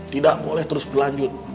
tidak boleh terus berlanjut